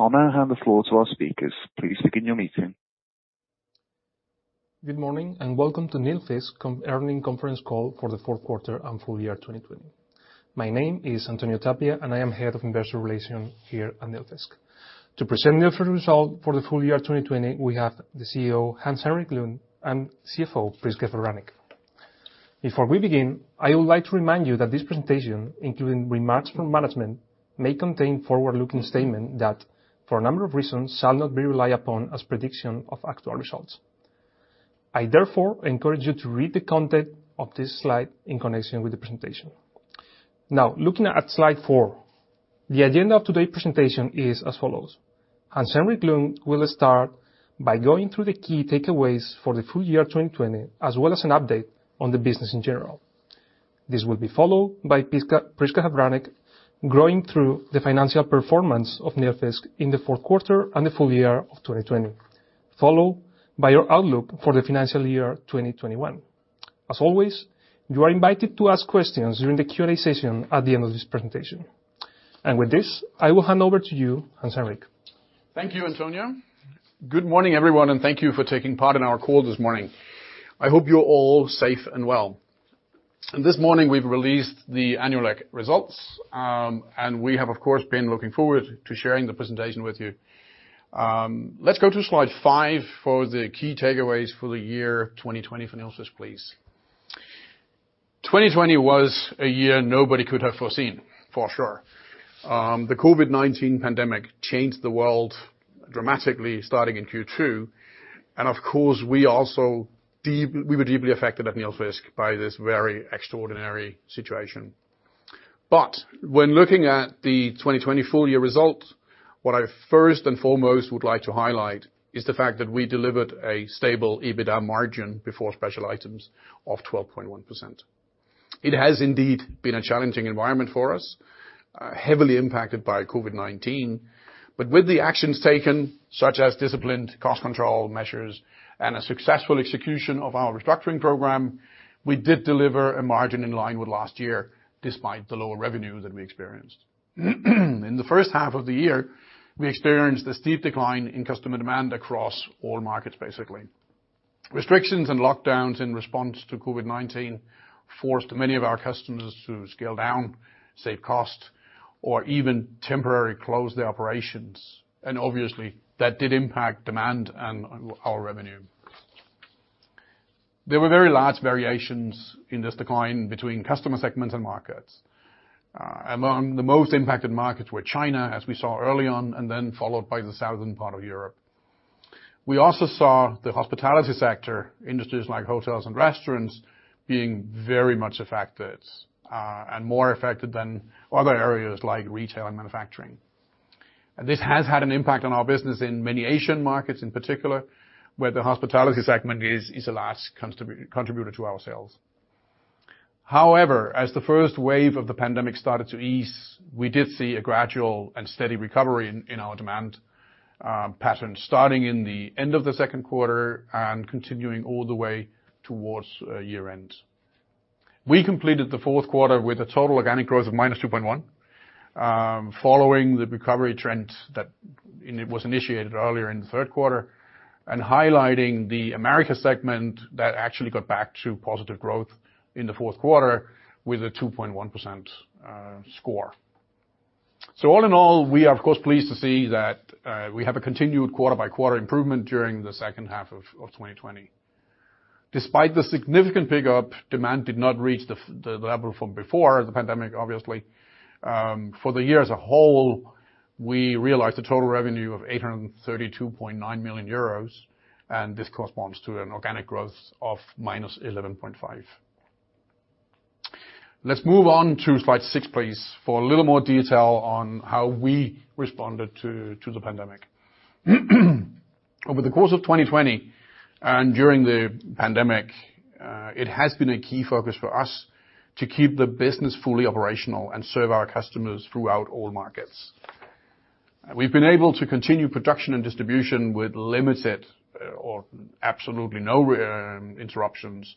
I'll now hand the floor to our speakers. Please begin your meeting. Good morning. Welcome to Nilfisk annual conference call for the fourth quarter and full year 2020. My name is Antonio Tapia. I am Head of Investor Relations here at Nilfisk. To present Nilfisk result for the full year 2020, we have the CEO, Hans Henrik Lund, and CFO, Prisca Havranek-Kosicek. Before we begin, I would like to remind you that this presentation, including remarks from management, may contain forward-looking statement that, for a number of reasons, shall not be relied upon as prediction of actual results. I therefore encourage you to read the content of this slide in connection with the presentation. Now looking at slide four, the agenda of today's presentation is as follows: Hans Henrik Lund will start by going through the key takeaways for the full year 2020, as well as an update on the business in general. This will be followed by Prisca Havranek-Kosicek, going through the financial performance of Nilfisk in the fourth quarter and the full year of 2020, followed by our outlook for the financial year 2021. As always, you are invited to ask questions during the Q&A session at the end of this presentation. With this, I will hand over to you, Hans Henrik. Thank you, Antonio. Good morning, everyone, and thank you for taking part in our call this morning. I hope you're all safe and well. This morning we've released the annual results, and we have, of course, been looking forward to sharing the presentation with you. Let's go to slide five for the key takeaways for the year 2020 for Nilfisk, please. 2020 was a year nobody could have foreseen, for sure. The COVID-19 pandemic changed the world dramatically starting in Q2, and of course, we also were deeply affected at Nilfisk by this very extraordinary situation. When looking at the 2020 full year results, what I first and foremost would like to highlight is the fact that we delivered a stable EBITDA margin before special items of 12.1%. It has indeed been a challenging environment for us, heavily impacted by COVID-19, but with the actions taken, such as disciplined cost control measures and a successful execution of our restructuring program, we did deliver a margin in line with last year, despite the lower revenue that we experienced. In the first half of the year, we experienced a steep decline in customer demand across all markets, basically. Restrictions and lockdowns in response to COVID-19 forced many of our customers to scale down, save cost, or even temporarily close their operations. Obviously that did impact demand and our revenue. There were very large variations in this decline between customer segments and markets. Among the most impacted markets were China, as we saw early on, and then followed by the southern part of Europe. We also saw the hospitality sector, industries like hotels and restaurants, being very much affected, and more affected than other areas like retail and manufacturing. This has had an impact on our business in many Asian markets in particular, where the hospitality segment is a large contributor to our sales. As the first wave of the pandemic started to ease, we did see a gradual and steady recovery in our demand pattern starting in the end of the second quarter and continuing all the way towards year-end. We completed the fourth quarter with a total organic growth of -2.1%, following the recovery trend that it was initiated earlier in the third quarter and highlighting the America segment that actually got back to positive growth in the fourth quarter with a 2.1% score. All in all, we are of course pleased to see that we have a continued quarter-by-quarter improvement during the second half of 2020. Despite the significant pickup, demand did not reach the level from before the pandemic, obviously. For the year as a whole, we realized a total revenue of 832.9 million euros, and this corresponds to an organic growth of -11.5%. Let's move on to slide six, please, for a little more detail on how we responded to the pandemic. Over the course of 2020 and during the pandemic, it has been a key focus for us to keep the business fully operational and serve our customers throughout all markets. We've been able to continue production and distribution with limited or absolutely no interruptions,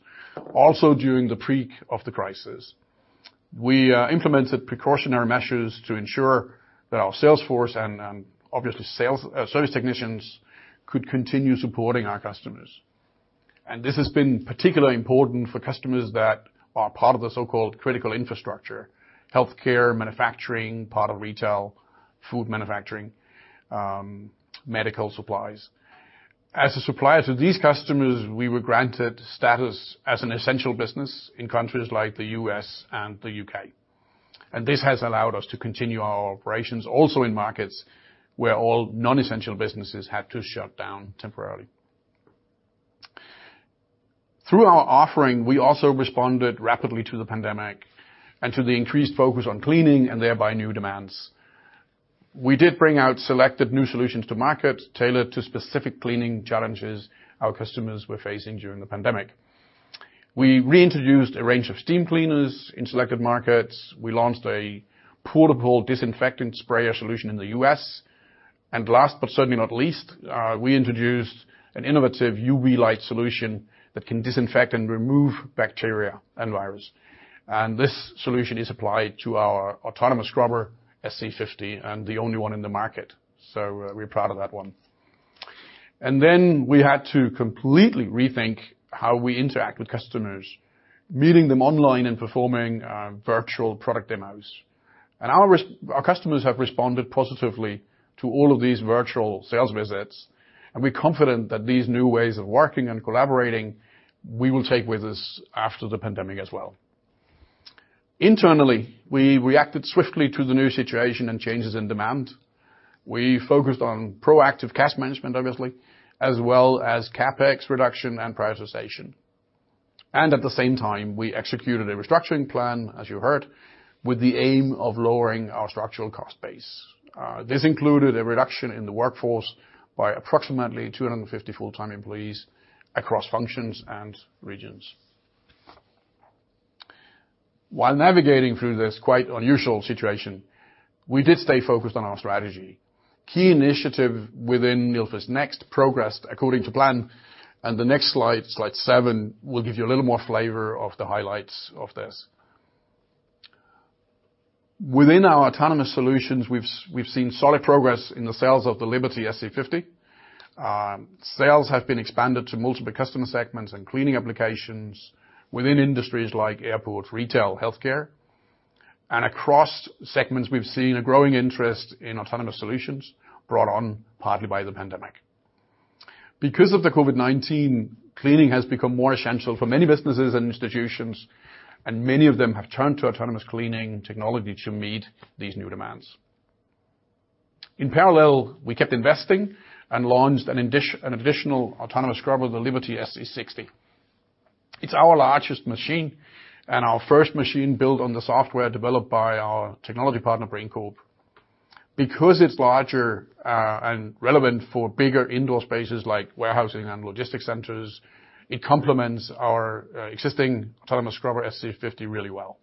also during the peak of the crisis. We implemented precautionary measures to ensure that our sales force and obviously sales service technicians could continue supporting our customers. This has been particularly important for customers that are part of the so-called critical infrastructure, healthcare, manufacturing, part of retail, food manufacturing, medical supplies. As a supplier to these customers, we were granted status as an essential business in countries like the U.S. and the U.K., and this has allowed us to continue our operations also in markets where all non-essential businesses had to shut down temporarily. Through our offering, we also responded rapidly to the pandemic and to the increased focus on cleaning and thereby new demands. We did bring out selected new solutions to market tailored to specific cleaning challenges our customers were facing during the pandemic. We reintroduced a range of steam cleaners in selected markets. We launched a portable disinfectant sprayer solution in the US. Last but certainly not least, we introduced an innovative UV light solution that can disinfect and remove bacteria and virus. This solution is applied to our autonomous scrubber SC50, and the only one in the market. We're proud of that one. Then we had to completely rethink how we interact with customers, meeting them online and performing virtual product demos. Our customers have responded positively to all of these virtual sales visits, and we're confident that these new ways of working and collaborating we will take with us after the pandemic as well. Internally, we reacted swiftly to the new situation and changes in demand. We focused on proactive cash management, obviously, as well as CapEx reduction and prioritization. At the same time, we executed a restructuring plan, as you heard, with the aim of lowering our structural cost base. This included a reduction in the workforce by approximately 250 full-time employees across functions and regions. While navigating through this quite unusual situation, we did stay focused on our strategy. Key initiative within Nilfisk Next progressed according to plan, the next slide seven, will give you a little more flavor of the highlights of this. Within our autonomous solutions, we've seen solid progress in the sales of the Liberty SC50. Sales have been expanded to multiple customer segments and cleaning applications within industries like airports, retail, healthcare. Across segments, we've seen a growing interest in autonomous solutions brought on partly by the pandemic. Because of the COVID-19, cleaning has become more essential for many businesses and institutions, and many of them have turned to autonomous cleaning technology to meet these new demands. In parallel, we kept investing and launched an additional autonomous scrubber, the Liberty SC60. It's our largest machine and our first machine built on the software developed by our technology partner, Brain Corp. Because it's larger and relevant for bigger indoor spaces like warehousing and logistics centers, it complements our existing autonomous scrubber, SC50, really well.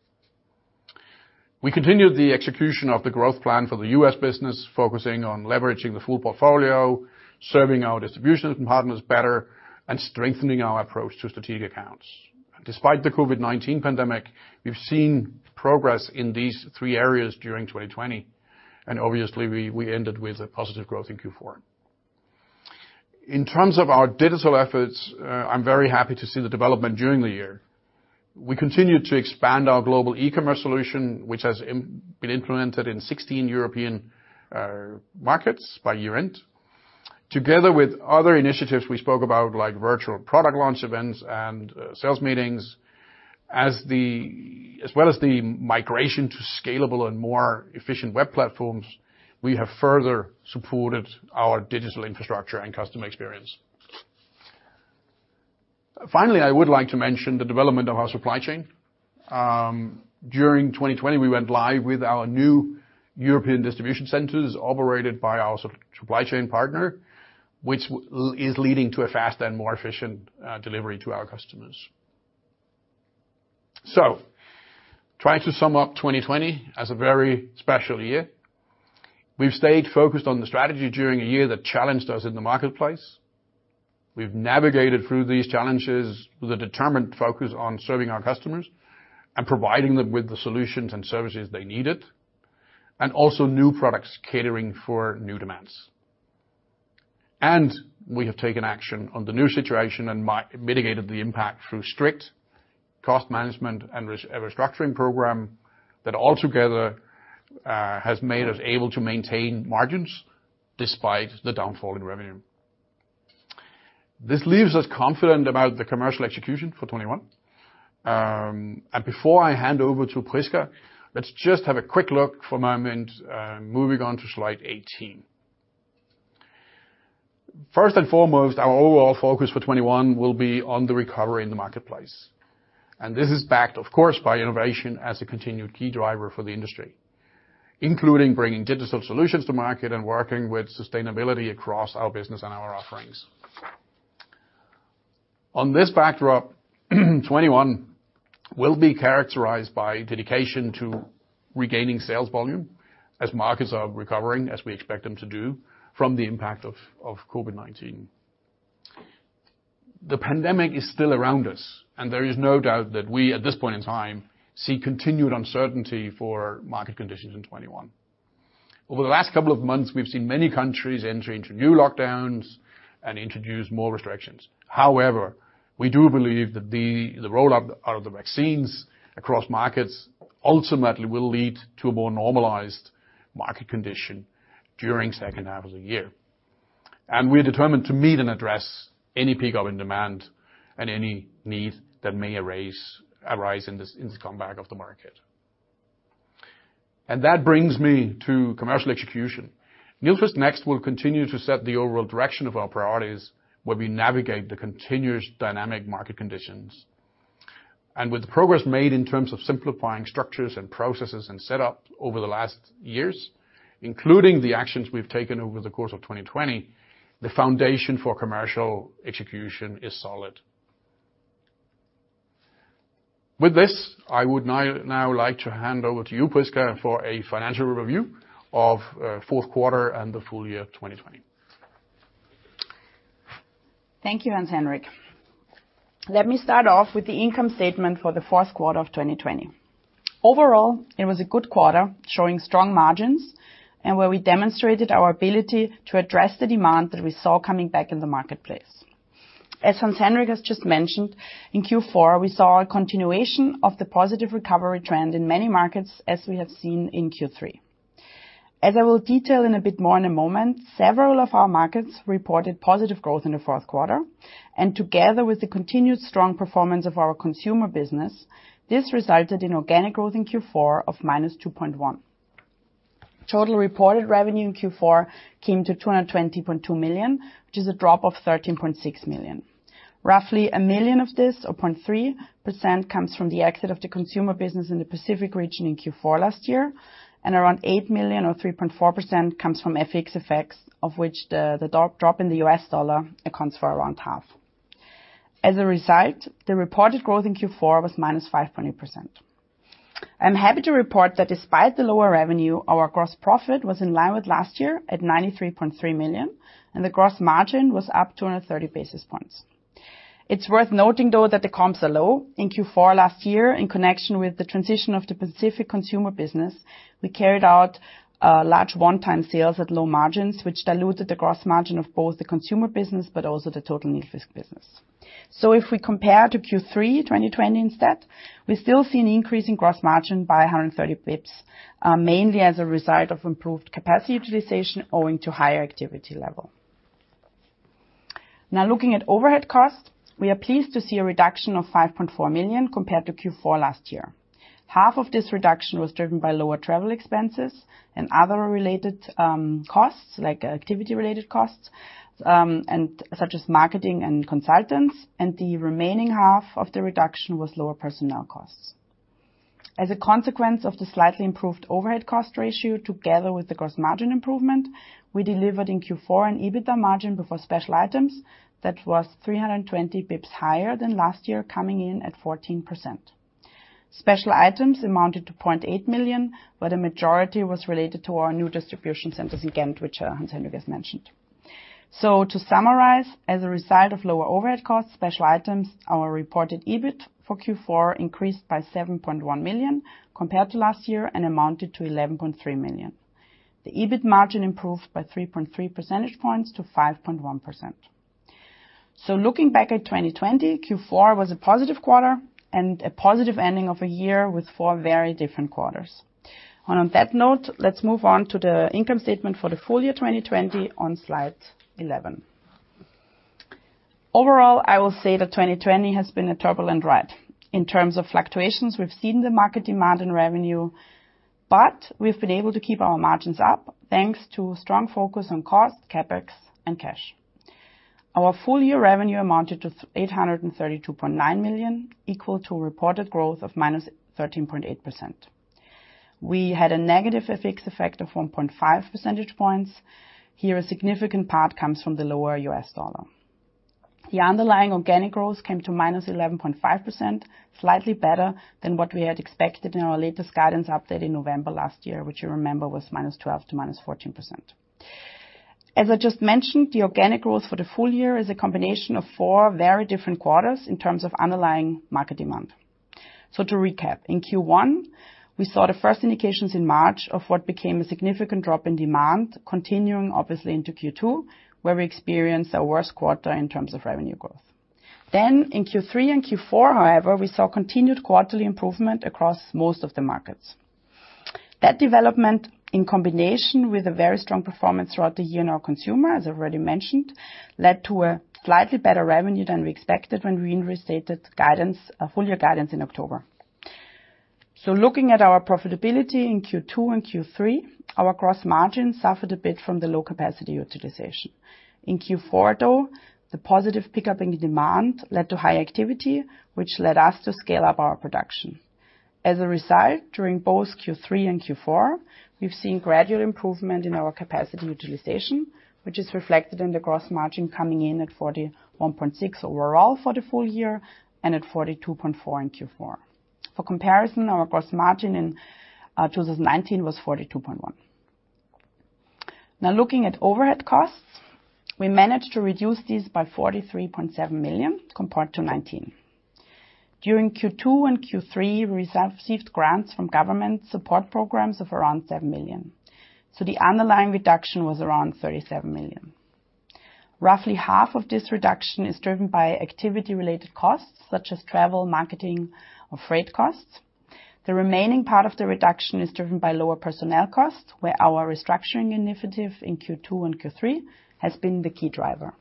We continued the execution of the growth plan for the U.S. business, focusing on leveraging the full portfolio, serving our distribution partners better, and strengthening our approach to strategic accounts. Despite the COVID-19 pandemic, we've seen progress in these three areas during 2020, and obviously we ended with a positive growth in Q4. In terms of our digital efforts, I'm very happy to see the development during the year. We continued to expand our global e-commerce solution, which has been implemented in 16 European markets by year-end. Together with other initiatives we spoke about, like virtual product launch events and sales meetings, as well as the migration to scalable and more efficient web platforms, we have further supported our digital infrastructure and customer experience. Finally, I would like to mention the development of our supply chain. During 2020, we went live with our new European distribution centers operated by our supply chain partner, which is leading to a faster and more efficient delivery to our customers. Trying to sum up 2020 as a very special year, we've stayed focused on the strategy during a year that challenged us in the marketplace. We've navigated through these challenges with a determined focus on serving our customers and providing them with the solutions and services they needed, and also new products catering for new demands. We have taken action on the new situation and mitigated the impact through strict cost management and restructuring program that altogether has made us able to maintain margins despite the downfall in revenue. This leaves us confident about the commercial execution for 2021. Before I hand over to Prisca, let's just have a quick look for a moment, moving on to slide 18. First and foremost, our overall focus for 2021 will be on the recovery in the marketplace, and this is backed, of course, by innovation as a continued key driver for the industry, including bringing digital solutions to market and working with sustainability across our business and our offerings. On this backdrop, 2021 will be characterized by dedication to regaining sales volume as markets are recovering, as we expect them to do, from the impact of COVID-19. The pandemic is still around us, there is no doubt that we, at this point in time, see continued uncertainty for market conditions in 2021. Over the last couple of months, we've seen many countries entering into new lockdowns and introduce more restrictions. However, we do believe that the rollout of the vaccines across markets ultimately will lead to a more normalized market condition during second half of the year. We're determined to meet and address any peak of in demand and any need that may arise in this comeback of the market. That brings me to commercial execution. Nilfisk Next will continue to set the overall direction of our priorities where we navigate the continuous dynamic market conditions. With the progress made in terms of simplifying structures and processes and setup over the last years, including the actions we've taken over the course of 2020, the foundation for commercial execution is solid. With this, I would now like to hand over to you, Prisca, for a financial review of fourth quarter and the full year 2020. Thank you, Hans-Henrik. Let me start off with the income statement for the fourth quarter of 2020. Overall, it was a good quarter, showing strong margins and where we demonstrated our ability to address the demand that we saw coming back in the marketplace. As Hans Henrik has just mentioned, in Q4, we saw a continuation of the positive recovery trend in many markets, as we have seen in Q3. As I will detail in a bit more in a moment, several of our markets reported positive growth in the fourth quarter, and together with the continued strong performance of our consumer business, this resulted in organic growth in Q4 of -2.1%. Total reported revenue in Q4 came to 220.2 million, which is a drop of 13.6 million. Roughly 1 million of this, or 0.3%, comes from the exit of the consumer business in the Pacific region in Q4 last year, and around 8 million or 3.4% comes from FX effects, of which the drop in the US dollar accounts for around half. As a result, the reported growth in Q4 was -5.8%. I'm happy to report that despite the lower revenue, our gross profit was in line with last year at 93.3 million, and the gross margin was up 230 basis points. It's worth noting though that the comps are low. In Q4 last year, in connection with the transition of the Pacific consumer business, we carried out large one-time sales at low margins, which diluted the gross margin of both the consumer business but also the total Nilfisk business. If we compare to Q3 2020 instead, we still see an increase in gross margin by 130 basis points, mainly as a result of improved capacity utilization owing to higher activity level. Now looking at overhead costs, we are pleased to see a reduction of 5.4 million compared to Q4 last year. Half of this reduction was driven by lower travel expenses and other related costs, like activity-related costs, and such as marketing and consultants, and the remaining half of the reduction was lower personnel costs. As a consequence of the slightly improved overhead cost ratio together with the gross margin improvement, we delivered in Q4 an EBITDA margin before special items that was 320 basis points higher than last year, coming in at 14%. Special items amounted to 0.8 million, where the majority was related to our new distribution centers in Ghent, which Hans Henrik has mentioned. To summarize, as a result of lower overhead costs, special items, our reported EBIT for Q4 increased by 7.1 million compared to last year and amounted to 11.3 million. The EBIT margin improved by 3.3 percentage points to 5.1%. Looking back at 2020, Q4 was a positive quarter and a positive ending of a year with four very different quarters. On that note, let's move on to the income statement for the full year 2020 on slide 11. Overall, I will say that 2020 has been a turbulent ride. In terms of fluctuations, we've seen the market demand in revenue, but we've been able to keep our margins up thanks to strong focus on cost, CapEx, and cash. Our full year revenue amounted to 832.9 million, equal to a reported growth of -13.8%. We had a negative FX effect of 1.5 percentage points. Here, a significant part comes from the lower US dollar. The underlying organic growth came to -11.5%, slightly better than what we had expected in our latest guidance update in November last year, which you remember was -12% to -14%. As I just mentioned, the organic growth for the full year is a combination of four very different quarters in terms of underlying market demand. To recap, in Q1, we saw the first indications in March of what became a significant drop in demand, continuing obviously into Q2, where we experienced our worst quarter in terms of revenue growth. In Q3 and Q4, however, we saw continued quarterly improvement across most of the markets. That development, in combination with a very strong performance throughout the year in our consumer, as I've already mentioned, led to a slightly better revenue than we expected when we reinstated guidance, full year guidance in October. Looking at our profitability in Q2 and Q3, our gross margin suffered a bit from the low capacity utilization. In Q4, though, the positive pickup in the demand led to high activity, which led us to scale up our production. As a result, during both Q3 and Q4, we've seen gradual improvement in our capacity utilization, which is reflected in the gross margin coming in at 41.6% overall for the full year and at 42.4% in Q4. For comparison, our gross margin in 2019 was 42.1%. Looking at overhead costs, we managed to reduce these by 43.7 million compared to 2019. During Q2 and Q3, we received grants from government support programs of around 7 million. The underlying reduction was around 37 million. Roughly half of this reduction is driven by activity-related costs, such as travel, marketing, or freight costs. The remaining part of the reduction is driven by lower personnel costs, where our restructuring initiative in Q2 and Q3 has been the key driver.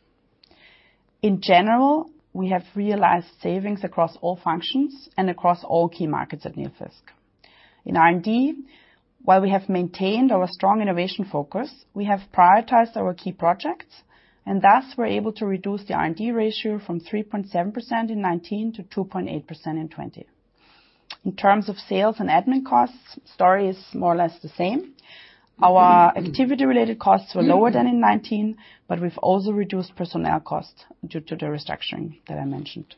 In general, we have realized savings across all functions and across all key markets at Nilfisk. In R&D, while we have maintained our strong innovation focus, we have prioritized our key projects, thus we're able to reduce the R&D ratio from 3.7% in 2019 to 2.8% in 2020. In terms of sales and admin costs, story is more or less the same. Our activity-related costs were lower than in 2019, we've also reduced personnel costs due to the restructuring that I mentioned.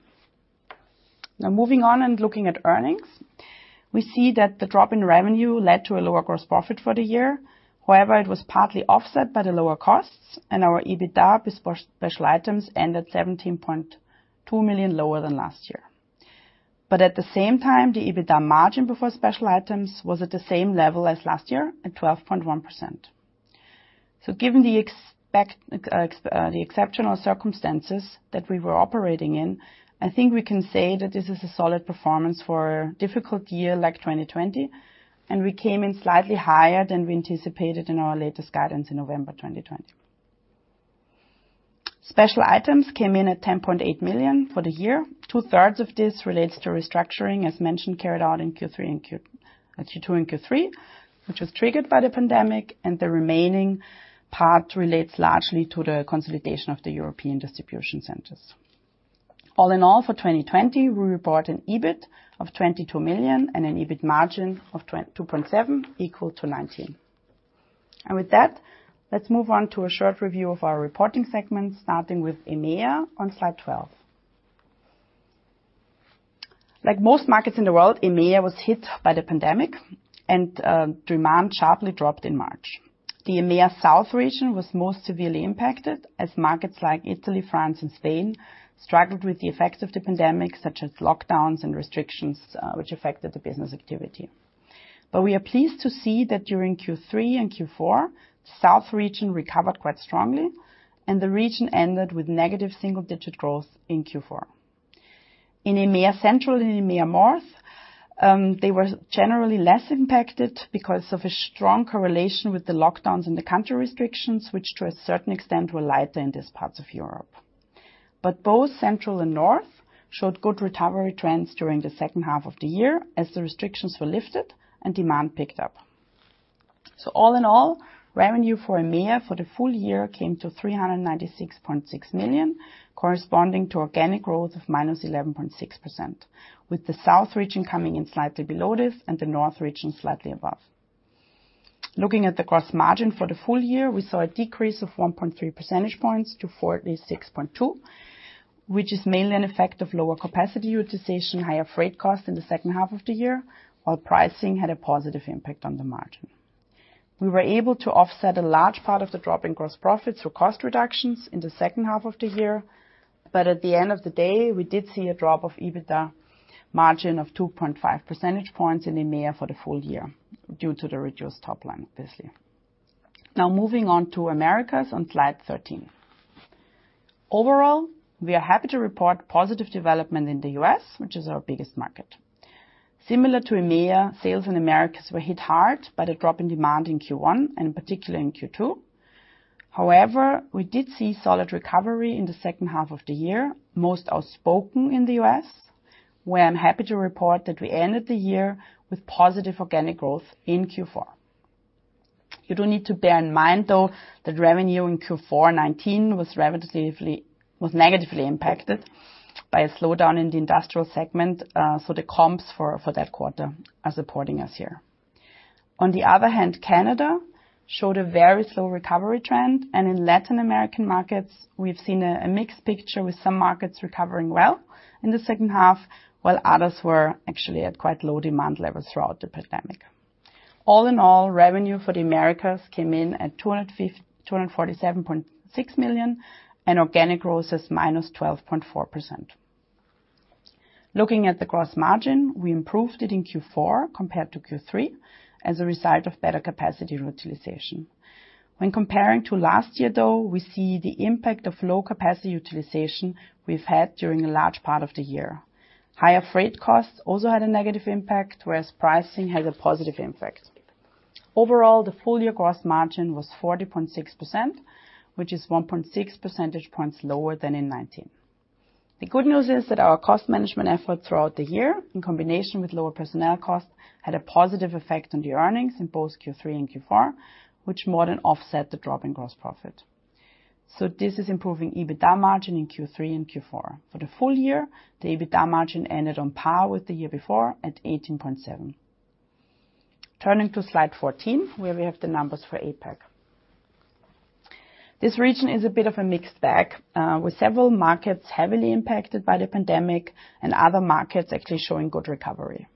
Moving on and looking at earnings, we see that the drop in revenue led to a lower gross profit for the year. However, it was partly offset by the lower costs and our EBITDA before special items ended 17.2 million lower than last year. At the same time, the EBITDA margin before special items was at the same level as last year at 12.1%. Given the exceptional circumstances that we were operating in, I think we can say that this is a solid performance for a difficult year like 2020, and we came in slightly higher than we anticipated in our latest guidance in November 2020. Special items came in at 10.8 million for the year. Two-thirds of this relates to restructuring, as mentioned, carried out in Q2 and Q3, which was triggered by the pandemic, and the remaining part relates largely to the consolidation of the European distribution centers. All in all, for 2020, we report an EBIT of 22 million and an EBIT margin of 22.7%, equal to 19%. With that, let's move on to a short review of our reporting segments, starting with EMEA on slide 12. Like most markets in the world, EMEA was hit by the pandemic and demand sharply dropped in March. The EMEA South region was most severely impacted as markets like Italy, France, and Spain struggled with the effects of the pandemic, such as lockdowns and restrictions, which affected the business activity. We are pleased to see that during Q3 and Q4, South region recovered quite strongly and the region ended with negative single-digit growth in Q4. In EMEA Central and EMEA North, they were generally less impacted because of a strong correlation with the lockdowns and the country restrictions, which to a certain extent were lighter in these parts of Europe. Both Central and North showed good recovery trends during the second half of the year as the restrictions were lifted and demand picked up. All in all, revenue for EMEA for the full year came to 396.6 million, corresponding to organic growth of minus 11.6%, with the South region coming in slightly below this and the North region slightly above. Looking at the gross margin for the full year, we saw a decrease of 1.3 percentage points to 46.2%, which is mainly an effect of lower capacity utilization, higher freight costs in the second half of the year, while pricing had a positive impact on the margin. We were able to offset a large part of the drop in gross profits through cost reductions in the second half of the year. At the end of the day, we did see a drop of EBITDA margin of 2.5 percentage points in EMEA for the full year due to the reduced top line, obviously. Moving on to Americas on slide 13. Overall, we are happy to report positive development in the U.S., which is our biggest market. Similar to EMEA, sales in Americas were hit hard by the drop in demand in Q1, and in particular in Q2. We did see solid recovery in the second half of the year, most outspoken in the U.S., where I'm happy to report that we ended the year with positive organic growth in Q4. You do need to bear in mind, though, that revenue in Q4 2019 was negatively impacted by a slowdown in the industrial segment, so the comps for that quarter are supporting us here. On the other hand, Canada showed a very slow recovery trend, and in Latin American markets, we've seen a mixed picture with some markets recovering well in the second half, while others were actually at quite low demand levels throughout the pandemic. All in all, revenue for the Americas came in at 247.6 million, and organic growth is -12.4%. Looking at the gross margin, we improved it in Q4 compared to Q3 as a result of better capacity utilization. When comparing to last year, though, we see the impact of low capacity utilization we've had during a large part of the year. Higher freight costs also had a negative impact, whereas pricing had a positive impact. Overall, the full year gross margin was 40.6%, which is 1.6 percentage points lower than in 2019. The good news is that our cost management effort throughout the year, in combination with lower personnel costs, had a positive effect on the earnings in both Q3 and Q4, which more than offset the drop in gross profit. This is improving EBITDA margin in Q3 and Q4. For the full year, the EBITDA margin ended on par with the year before at 18.7%. Turning to slide 14, where we have the numbers for APAC. This region is a bit of a mixed bag, with several markets heavily impacted by the pandemic and other markets actually showing good recovery.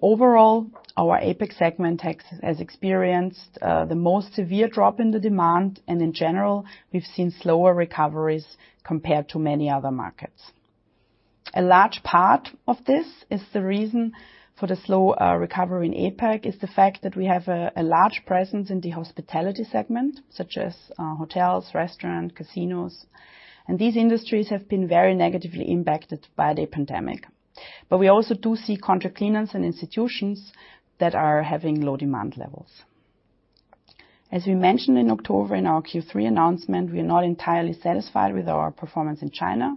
Overall, our APAC segment has experienced the most severe drop in the demand and in general, we've seen slower recoveries compared to many other markets. A large part of this is the reason for the slow recovery in APAC is the fact that we have a large presence in the hospitality segment, such as hotels, restaurant, casinos, and these industries have been very negatively impacted by the pandemic. We also do see contract cleaners and institutions that are having low demand levels. As we mentioned in October in our Q3 announcement, we are not entirely satisfied with our performance in China,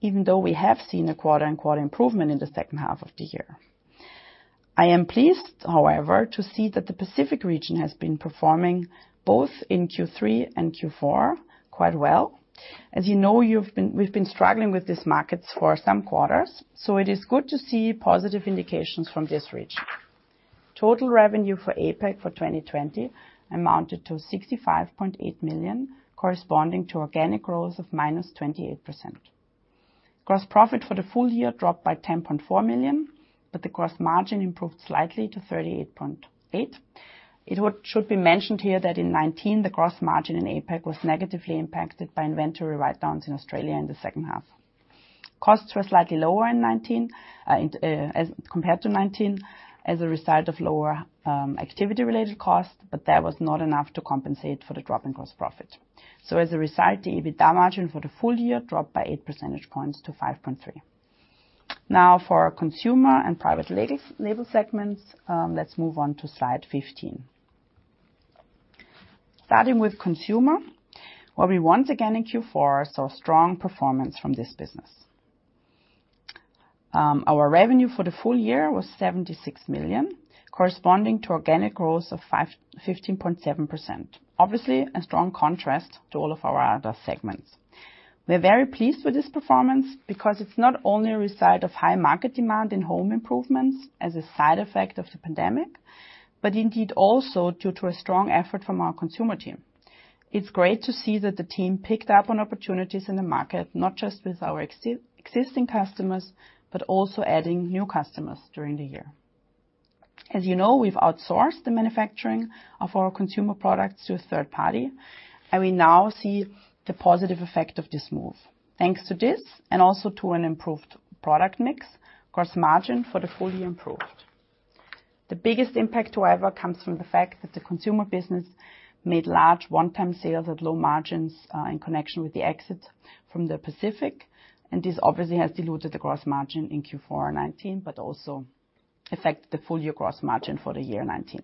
even though we have seen a quarter on quarter improvement in the second half of the year. I am pleased, however, to see that the Pacific region has been performing both in Q3 and Q4 quite well. As you know, we've been struggling with these markets for some quarters. It is good to see positive indications from this region. Total revenue for APAC for 2020 amounted to 65.8 million, corresponding to organic growth of minus 28%. Gross profit for the full year dropped by 10.4 million. The gross margin improved slightly to 38.8%. It should be mentioned here that in 2019, the gross margin in APAC was negatively impacted by inventory write-downs in Australia in the second half. Costs were slightly lower in 2019 as compared to 2019 as a result of lower activity-related costs. That was not enough to compensate for the drop in gross profit. As a result, the EBITDA margin for the full year dropped by eight percentage points to 5.3. For our consumer and private label segments, let's move on to slide 15. Starting with consumer, well, we once again in Q4 saw strong performance from this business. Our revenue for the full year was 76 million, corresponding to organic growth of 15.7%. Obviously, a strong contrast to all of our other segments. We're very pleased with this performance because it's not only a result of high market demand in home improvements as a side effect of the pandemic, but indeed also due to a strong effort from our consumer team. It's great to see that the team picked up on opportunities in the market, not just with our existing customers, but also adding new customers during the year. As you know, we've outsourced the manufacturing of our consumer products to a third party. We now see the positive effect of this move. Thanks to this, and also to an improved product mix, gross margin for the full year improved. The biggest impact, however, comes from the fact that the consumer business made large one-time sales at low margins in connection with the exit from the Pacific. This obviously has diluted the gross margin in Q4 2019, also affected the full-year gross margin for the year 2019.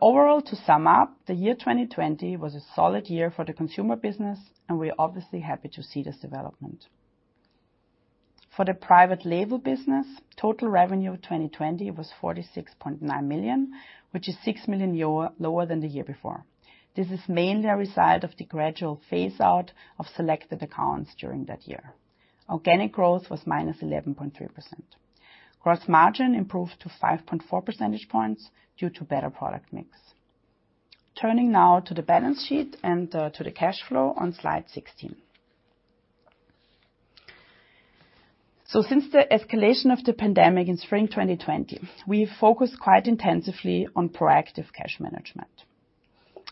Overall, to sum up, the year 2020 was a solid year for the consumer business. We are obviously happy to see this development. For the private label business, total revenue of 2020 was 46.9 million, which is 6 million lower than the year before. This is mainly a result of the gradual phase-out of selected accounts during that year. Organic growth was -11.3%. Gross margin improved to 5.4 percentage points due to better product mix. Turning now to the balance sheet and to the cash flow on slide 16. Since the escalation of the pandemic in spring 2020, we focused quite intensively on proactive cash management.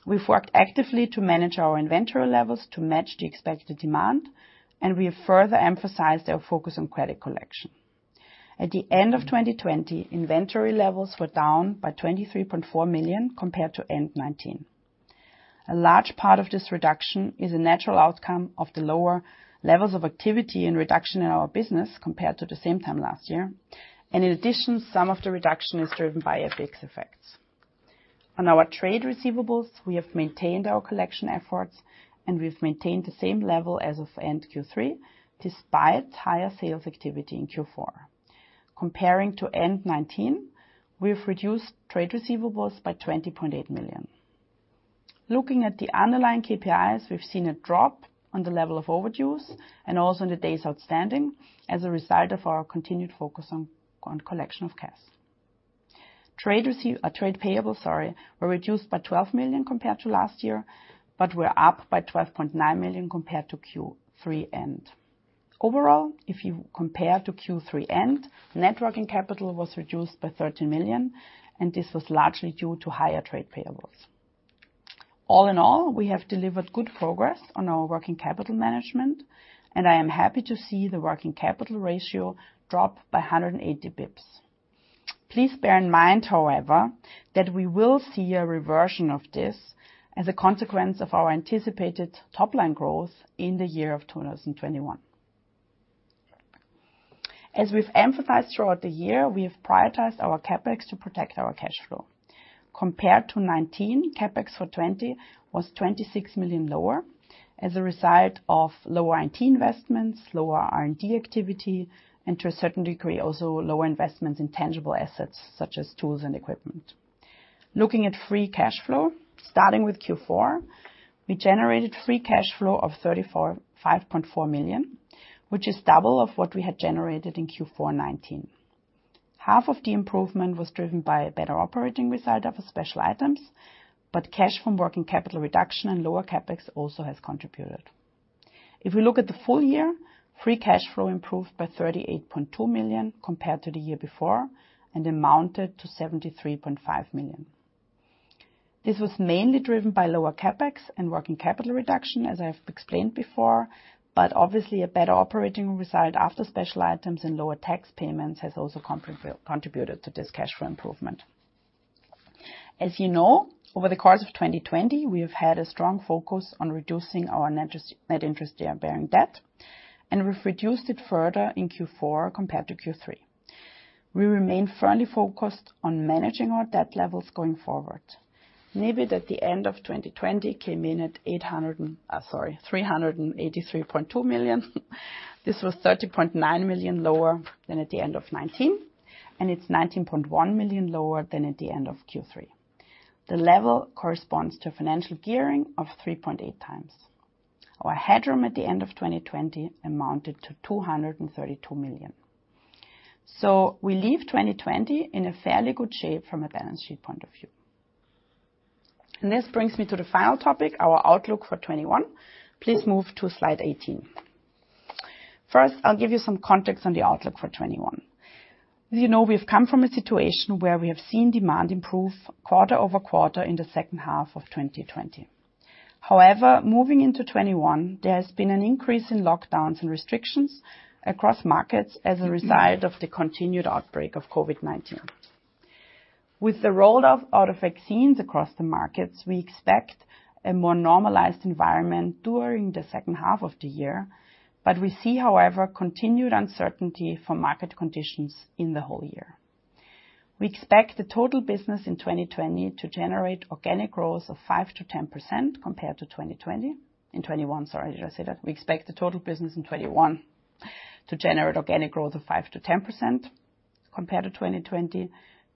We've worked actively to manage our inventory levels to match the expected demand, and we have further emphasized our focus on credit collection. At the end of 2020, inventory levels were down by 23.4 million compared to end 2019. A large part of this reduction is a natural outcome of the lower levels of activity and reduction in our business compared to the same time last year. In addition, some of the reduction is driven by FX effects. On our trade receivables, we have maintained our collection efforts, and we've maintained the same level as of end Q3, despite higher sales activity in Q4. Comparing to end 2019, we've reduced trade receivables by 20.8 million. Looking at the underlying KPIs, we've seen a drop on the level of overdues and also in the days outstanding as a result of our continued focus on collection of cash. Trade payables, sorry, were reduced by 12 million compared to last year, but were up by 12.9 million compared to Q3 end. Overall, if you compare to Q3 end, net working capital was reduced by 13 million, and this was largely due to higher trade payables. All in all, we have delivered good progress on our working capital management, and I am happy to see the working capital ratio drop by 180 bips. Please bear in mind, however, that we will see a reversion of this as a consequence of our anticipated top-line growth in 2021. As we've emphasized throughout the year, we have prioritized our CapEx to protect our cash flow. Compared to 2019, CapEx for 2020 was 26 million lower as a result of lower IT investments, lower R&D activity, and to a certain degree, also lower investments in tangible assets such as tools and equipment. Looking at free cash flow, starting with Q4, we generated free cash flow of 5.4 million, which is double of what we had generated in Q4 2019. Half of the improvement was driven by better operating result of special items, but cash from working capital reduction and lower CapEx also has contributed. If we look at the full year, free cash flow improved by 38.2 million compared to the year before and amounted to 73.5 million. This was mainly driven by lower CapEx and working capital reduction, as I have explained before, but obviously a better operating result after special items and lower tax payments has also contributed to this cash flow improvement. As you know, over the course of 2020, we have had a strong focus on reducing our net interest-bearing debt, and we've reduced it further in Q4 compared to Q3. We remain firmly focused on managing our debt levels going forward. Net bid at the end of 2020 came in at eight hundred and... sorry, 383.2 million. This was 30.9 million lower than at the end of 2019, and it's 19.1 million lower than at the end of Q3. The level corresponds to financial gearing of 3.8 times. Our headroom at the end of 2020 amounted to 232 million. We leave 2020 in a fairly good shape from a balance sheet point of view. This brings me to the final topic, our outlook for 2021. Please move to slide 18. First, I'll give you some context on the outlook for 2021. As you know, we have come from a situation where we have seen demand improve quarter-over-quarter in the second half of 2020. Moving into 2021, there has been an increase in lockdowns and restrictions across markets as a result of the continued outbreak of COVID-19. With the roll out of vaccines across the markets, we expect a more normalized environment during the second half of the year. We see, however, continued uncertainty for market conditions in the whole year. We expect the total business in 2020 to generate organic growth of 5%-10% compared to 2020. In 2021, sorry, did I say that? We expect the total business in 2021 to generate organic growth of 5%-10% compared to 2020,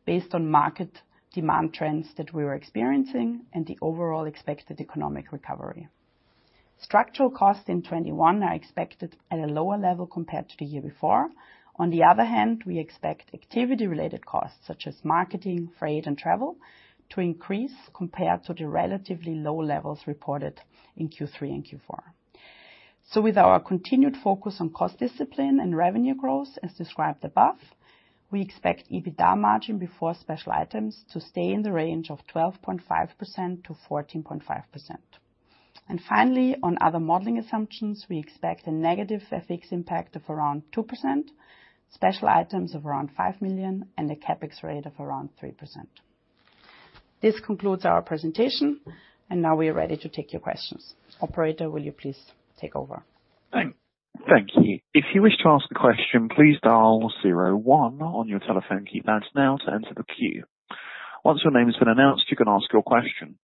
based on market demand trends that we were experiencing and the overall expected economic recovery. Structural costs in 2021 are expected at a lower level compared to the year before. On the other hand, we expect activity-related costs such as marketing, freight, and travel to increase compared to the relatively low levels reported in Q3 and Q4. With our continued focus on cost discipline and revenue growth as described above, we expect EBITDA margin before special items to stay in the range of 12.5%-14.5%. Finally, on other modeling assumptions, we expect a negative FX impact of around 2%, special items of around 5 million, and a CapEx rate of around 3%. This concludes our presentation, and now we are ready to take your questions. Operator, will you please take over? Thank you. If you wish to ask a question, please dial zero one on your telephone keypad now to enter the queue. Once your name has been announced, you can ask your question.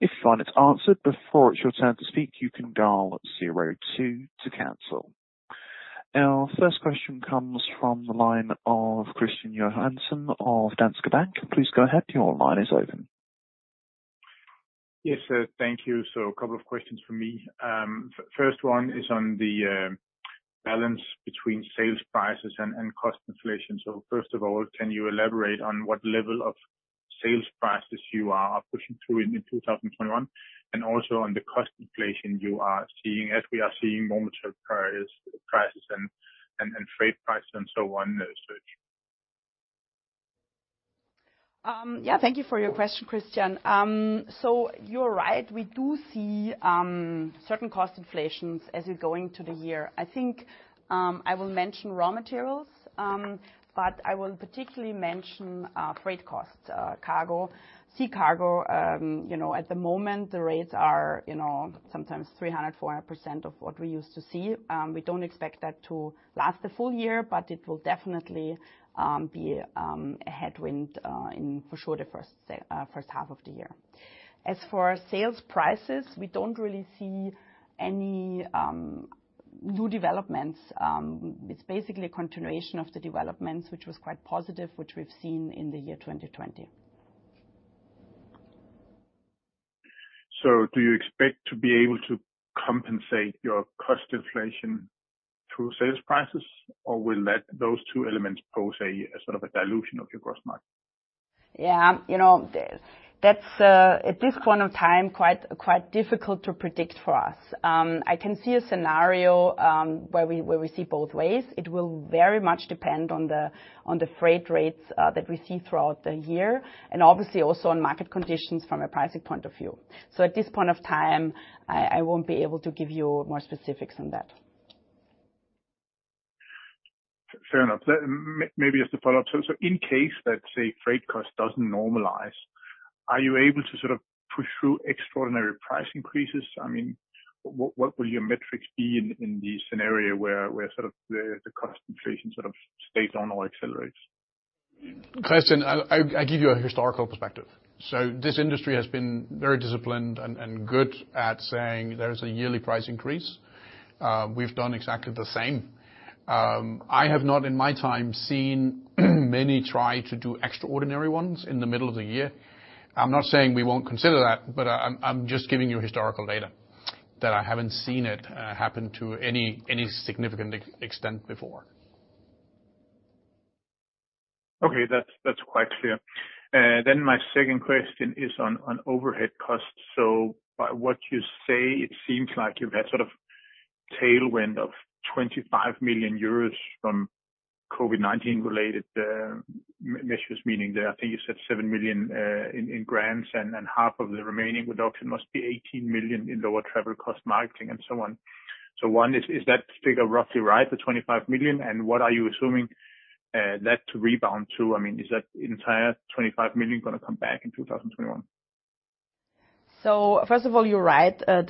If you find it's answered before it's your turn to speak, you can dial zero two to cancel. Our first question comes from the line of Kristian Johansen of Danske Bank. Please go ahead, your line is open. Yes, sir. Thank you. A couple of questions from me. First one is on the balance between sales prices and cost inflation. First of all, can you elaborate on what level of sales prices you are pushing through into 2021 and also on the cost inflation you are seeing as we are seeing raw material prices and freight prices and so on surge? Yeah. Thank you for your question, Kristian. You're right. We do see certain cost inflations as you're going through the year. I think I will mention raw materials, but I will particularly mention freight costs, cargo, sea cargo. You know, at the moment the rates are, you know, sometimes 300%, 400% of what we used to see. We don't expect that to last the full year, but it will definitely be a headwind in for sure the first half of the year. As for sales prices, we don't really see any new developments. It's basically a continuation of the developments which was quite positive, which we've seen in the year 2020. Do you expect to be able to compensate your cost inflation through sales prices, or will those two elements pose a, sort of a dilution of your gross margin? Yeah. You know, that's at this point of time, quite difficult to predict for us. I can see a scenario where we see both ways. It will very much depend on the freight rates that we see throughout the year, and obviously also on market conditions from a pricing point of view. At this point of time, I won't be able to give you more specifics on that. Fair enough. Maybe as a follow-up. In case let's say freight cost doesn't normalize, are you able to sort of push through extraordinary price increases? I mean, what will your metrics be in the scenario where sort of the cost inflation sort of stays on or accelerates? Kristian, I'll give you a historical perspective. This industry has been very disciplined and good at saying there's a yearly price increase. We've done exactly the same. I have not, in my time, seen many try to do extraordinary ones in the middle of the year. I'm not saying we won't consider that, but I'm just giving you historical data that I haven't seen it happen to any significant extent before. Okay, that's quite clear. My second question is on overhead costs. By what you say, it seems like you've had sort of tailwind of 25 million euros from COVID-19 related measures, meaning that I think you said 7 million in grants and then half of the remaining reduction must be 18 million in lower travel cost marketing and so on. One is that figure roughly right, the 25 million? What are you assuming that to rebound to? Is that entire 25 million gonna come back in 2021? First of all, you're right. We have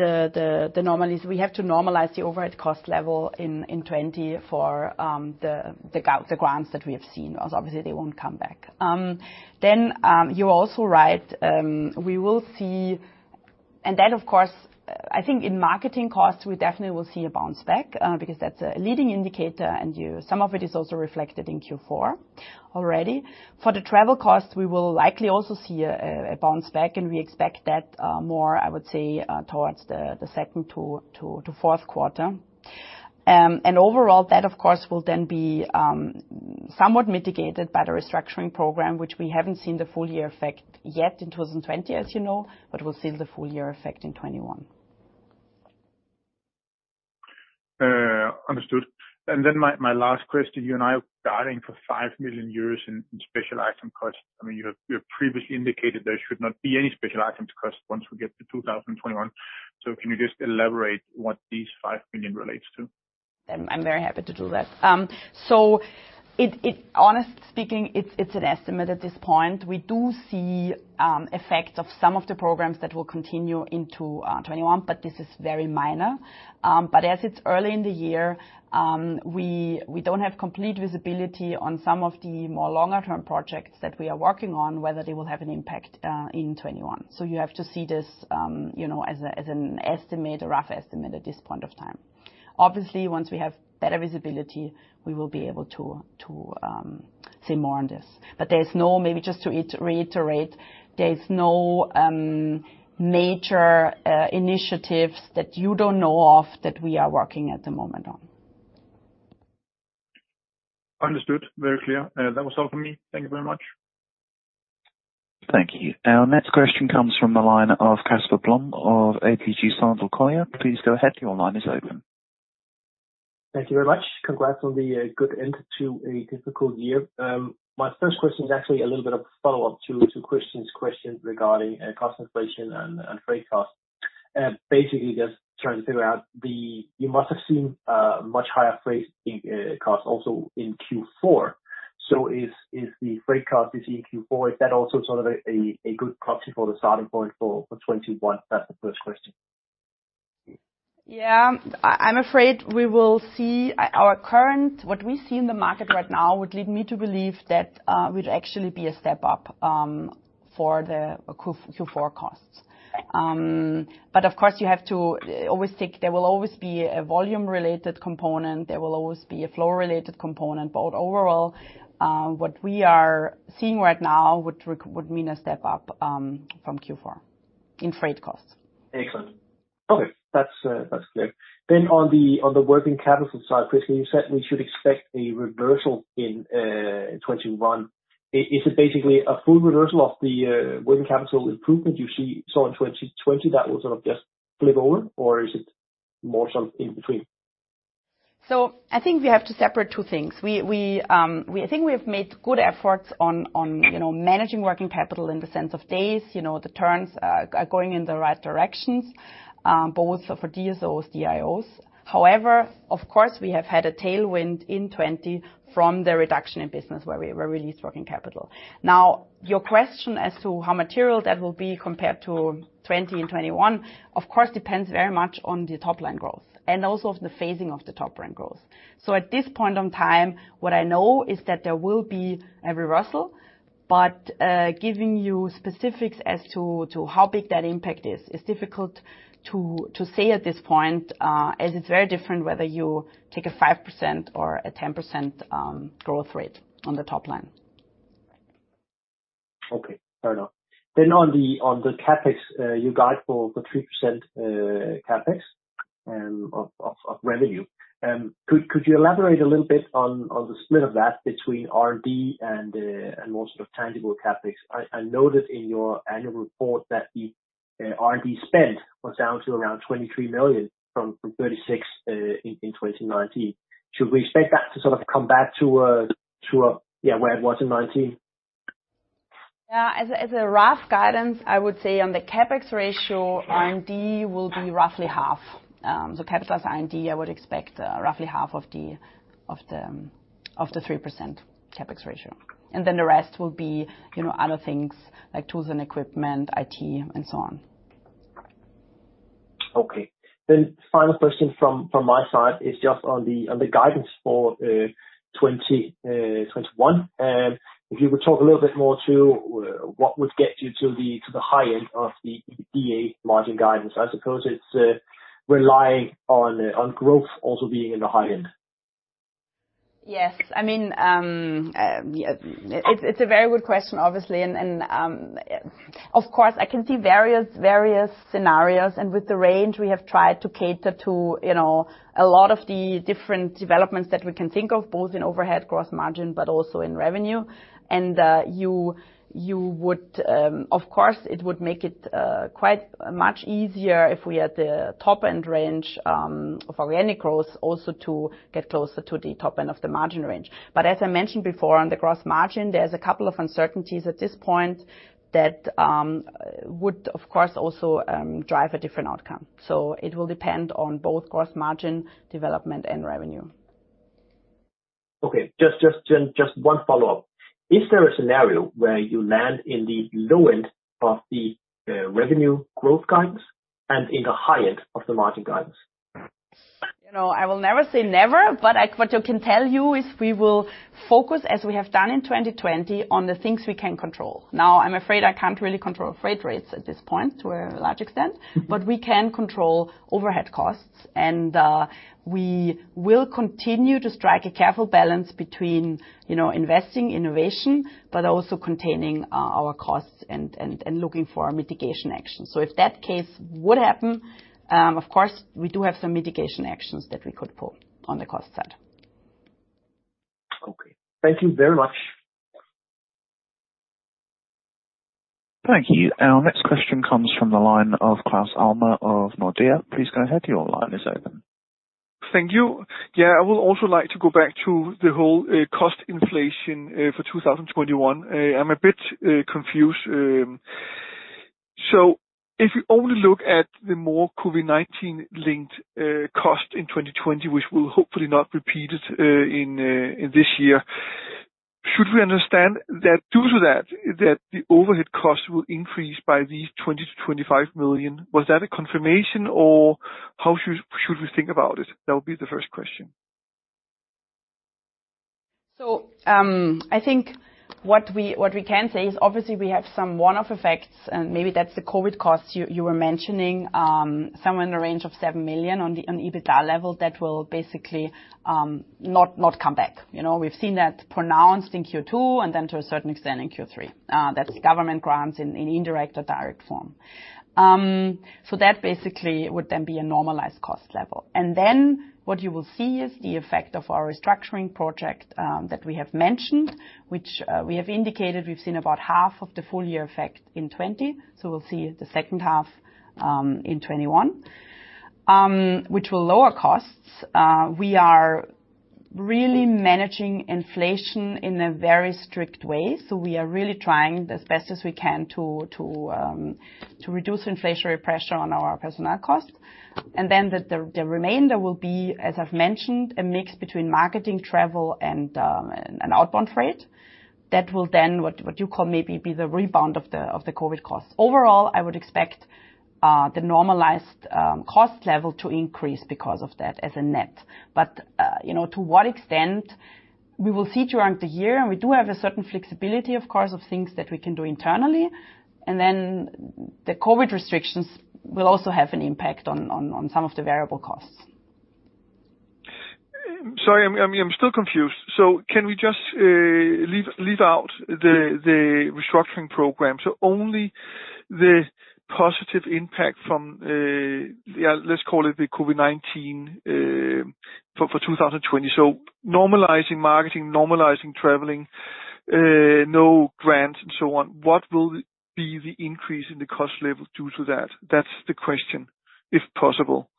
to normalize the overhead cost level in 2024, the grants that we have seen, as obviously they won't come back. You're also right. We will see. That, of course, I think in marketing costs, we definitely will see a bounce back, because that's a leading indicator, and some of it is also reflected in Q4 already. For the travel costs, we will likely also see a bounce back, and we expect that more, I would say, towards the second to fourth quarter. Overall, that, of course, will then be somewhat mitigated by the restructuring program which we haven't seen the full year effect yet in 2020, as you know, but we'll see the full year effect in 2021. Understood. My last question, you and I are guiding for 5 million euros in special item costs. I mean, you have previously indicated there should not be any special items cost once we get to 2021. Can you just elaborate what these 5 million EUR relates to? I'm very happy to do that. Honest speaking, it's an estimate at this point. We do see effect of some of the programs that will continue into 2021, but this is very minor. As it's early in the year, we don't have complete visibility on some of the more longer-term projects that we are working on, whether they will have an impact in 2021. You have to see this, you know, as an estimate, a rough estimate at this point of time. Obviously, once we have better visibility, we will be able to say more on this. There is no, maybe just to reiterate, there is no major initiatives that you don't know of that we are working at the moment on. Understood. Very clear. That was all for me. Thank you very much. Thank you. Our next question comes from the line of Casper Blom of ABG Sundal Collier. Please go ahead, your line is open. Thank you very much. Congrats on the good end to a difficult year. My first question is actually a little bit of follow-up to Kristian's questions regarding cost inflation and freight costs. Basically just trying to figure out You must have seen much higher freight costs also in Q4. Is the freight cost you see in Q4, is that also sort of a good proxy for the starting point for 2021? That's the first question. Yeah. I'm afraid we will see... What we see in the market right now would lead me to believe that we'd actually be a step up for the Q4 costs. Of course, you have to always think there will always be a volume-related component, there will always be a flow-related component. Overall, what we are seeing right now would mean a step up from Q4 in freight costs. Excellent. Okay. That's clear. On the, on the working capital side, Christine, you said we should expect a reversal in 2021. Is it basically a full reversal of the working capital improvement you saw in 2020 that will sort of just flip over, or is it more sort of in between? I think we have to separate two things. I think we have made good efforts on, you know, managing working capital in the sense of days. You know, the turns are going in the right directions, both for DSOs, DIOs. However, of course, we have had a tailwind in 2020 from the reduction in business where we released working capital. Now, your question as to how material that will be compared to 2020 and 2021, of course, depends very much on the top line growth and also of the phasing of the top line growth. At this point in time, what I know is that there will be a reversal, but giving you specifics as to how big that impact is difficult to say at this point, as it's very different whether you take a 5% or a 10% growth rate on the top line. Okay. Fair enough. On the CapEx, you guide for the 3% CapEx of revenue. Could you elaborate a little bit on the split of that between R&D and more sort of tangible CapEx? I noted in your annual report that the R&D spend was down to around 23 million from 36 million in 2019. Should we expect that to sort of come back to, yeah, where it was in 2019? Yeah. As a rough guidance, I would say on the CapEx ratio, R&D will be roughly half. So capitalized R&D, I would expect, roughly half of the 3% CapEx ratio. The rest will be, you know, other things like tools and equipment, IT, and so on. Okay. Final question from my side is just on the guidance for 2021. If you could talk a little bit more to what would get you to the high end of the EBITDA margin guidance. I suppose it's relying on growth also being in the high end. Yes. I mean, it's a very good question, obviously. Of course, I can see various scenarios. With the range, we have tried to cater to, you know, a lot of the different developments that we can think of, both in overhead gross margin, but also in revenue. You would. Of course, it would make it quite much easier if we had the top-end range of organic growth also to get closer to the top end of the margin range. As I mentioned before, on the gross margin, there's a couple of uncertainties at this point that would, of course, also drive a different outcome. It will depend on both gross margin development and revenue. Okay. Just one follow-up. Is there a scenario where you land in the low end of the revenue growth guidance and in the high end of the margin guidance? You know, I will never say never, but what I can tell you is we will focus as we have done in 2020 on the things we can control. I'm afraid I can't really control freight rates at this point to a large extent, but we can control overhead costs, and we will continue to strike a careful balance between, you know, investing innovation, but also containing our costs and looking for mitigation action. If that case would happen, of course, we do have some mitigation actions that we could pull on the cost side. Okay. Thank you very much. Thank you. Our next question comes from the line of Claus Almer of Nordea. Please go ahead. Your line is open. Thank you. Yeah, I would also like to go back to the whole cost inflation for 2021. I'm a bit confused. If you only look at the more COVID-19 linked cost in 2020, which will hopefully not repeat it in this year. Should we understand that due to that the overhead cost will increase by 20 million- 25 million? Was that a confirmation or how should we think about it? That would be the first question. I think what we can say is, obviously, we have some one-off effects, and maybe that's the COVID costs you were mentioning, somewhere in the range of 7 million on the EBITDA level that will basically not come back. You know, we've seen that pronounced in Q2, and then to a certain extent in Q3, that's government grants in indirect or direct form. That basically would then be a normalized cost level. What you will see is the effect of our restructuring project that we have mentioned, which we have indicated we've seen about half of the full year effect in 2020, so we'll see the second half in 2021, which will lower costs. We are really managing inflation in a very strict way. We are really trying as best as we can to reduce inflationary pressure on our personnel costs. The remainder will be, as I've mentioned, a mix between marketing, travel, and an outbound freight. That will then what you call maybe be the rebound of the COVID costs. Overall, I would expect the normalized cost level to increase because of that as a net. You know, to what extent we will see during the year, and we do have a certain flexibility, of course, of things that we can do internally. The COVID restrictions will also have an impact on some of the variable costs. Sorry, I'm still confused. Can we just leave out the restructuring program? Only the positive impact from, yeah, let's call it the COVID-19, for 2020. Normalizing marketing, normalizing traveling, no grants and so on, what will be the increase in the cost level due to that? That's the question, if possible.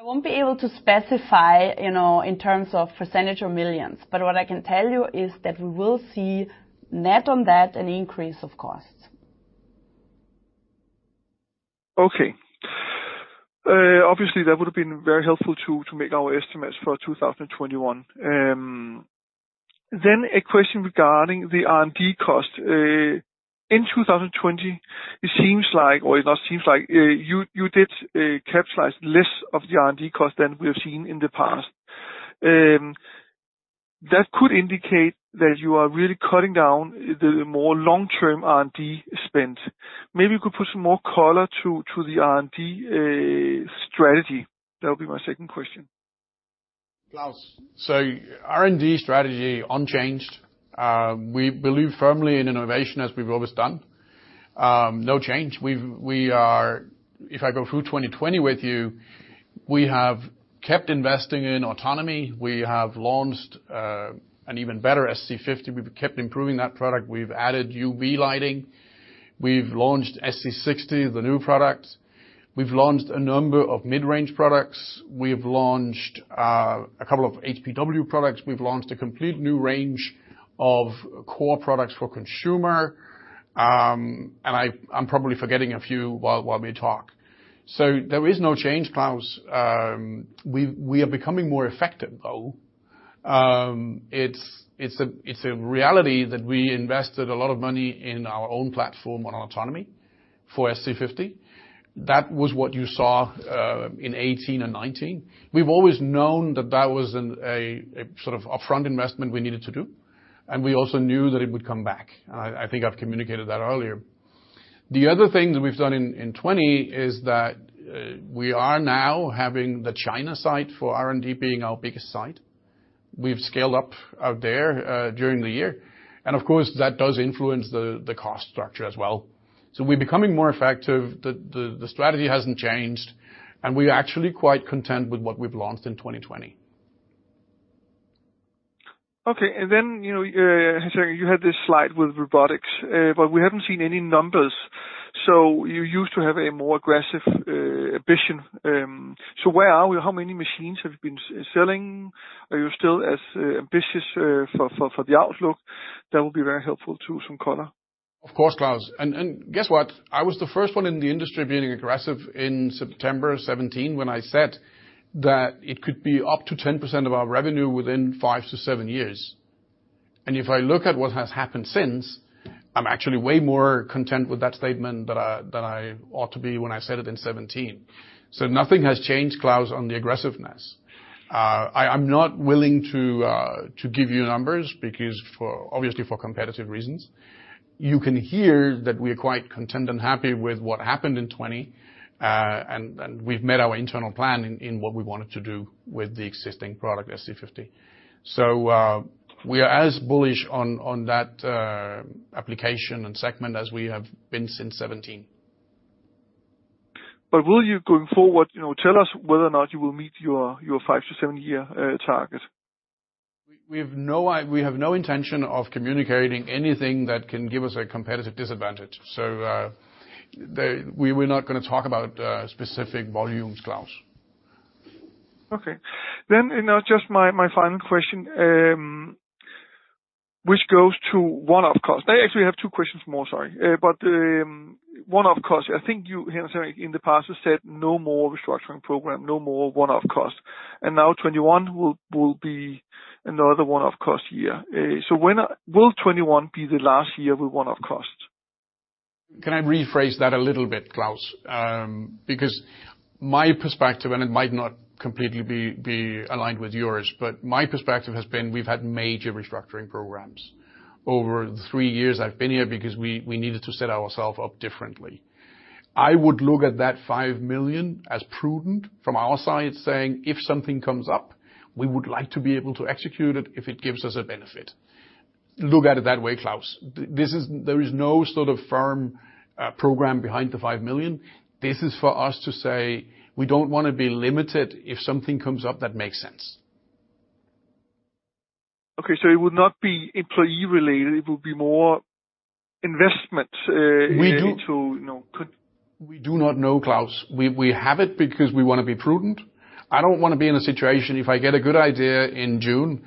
I won't be able to specify, you know, in terms of percentage or millions. What I can tell you is that we will see net on that an increase of costs. Okay. Obviously, that would have been very helpful to make our estimates for 2021. A question regarding the R&D costs. In 2020, it seems like, or it not seems like, you did capitalize less of the R&D cost than we have seen in the past. That could indicate that you are really cutting down the more long-term R&D spend. Maybe you could put some more color to the R&D strategy. That'll be my second question. Claus. R&D strategy unchanged. We believe firmly in innovation as we've always done. No change. If I go through 2020 with you, we have kept investing in autonomy. We have launched an even better SC50. We've kept improving that product. We've added UV lighting. We've launched SC60, the new product. We've launched a number of mid-range products. We've launched a couple of HPW products. We've launched a complete new range of core products for consumer. I'm probably forgetting a few while we talk. There is no change, Claus. We are becoming more effective, though. It's a reality that we invested a lot of money in our own platform on autonomy for SC50. That was what you saw in 2018 and 2019. We've always known that that was a sort of upfront investment we needed to do, and we also knew that it would come back. I think I've communicated that earlier. The other thing that we've done in 2020 is that we are now having the China site for R&D being our biggest site. We've scaled up out there during the year. Of course, that does influence the cost structure as well. We're becoming more effective. The strategy hasn't changed, and we're actually quite content with what we've launched in 2020. Okay. You know, you had this slide with robotics, but we haven't seen any numbers. You used to have a more aggressive ambition. Where are we? How many machines have you been selling? Are you still as ambitious for the outlook? That would be very helpful to some color. Of course, Claus. Guess what? I was the first one in the industry being aggressive in September 2017 when I said that it could be up to 10% of our revenue within five to seven years. If I look at what has happened since, I'm actually way more content with that statement than I, than I ought to be when I said it in 2017. Nothing has changed, Claus, on the aggressiveness. I'm not willing to give you numbers because obviously for competitive reasons. You can hear that we are quite content and happy with what happened in 2020. And we've met our internal plan in what we wanted to do with the existing product SC50. We are as bullish on that application and segment as we have been since 2017. Will you going forward, you know, tell us whether or not you will meet your five to seven year target? We have no intention of communicating anything that can give us a competitive disadvantage. We're not gonna talk about specific volumes, Claus. Okay. Now just my final question, which goes to one-off costs. I actually have two questions more, sorry. One-off costs. I think you, Hans, in the past have said no more restructuring program, no more one-off costs. Now 2021 will be another one-off cost year. Will 2021 be the last year with one-off costs? Can I rephrase that a little bit, Claus? My perspective, and it might not completely be aligned with yours, but my perspective has been we've had major restructuring programs over the three years I've been here because we needed to set ourselves up differently. I would look at that 5 million as prudent from our side, saying, If something comes up, we would like to be able to execute it if it gives us a benefit. Look at it that way, Claus. This is. There is no sort of firm program behind the 5 million. This is for us to say we don't wanna be limited if something comes up that makes sense. Okay. it would not be employee related, it would be more investment. We do- into, you know We do not know, Claus. We have it because we want to be prudent. I don't want to be in a situation if I get a good idea in June,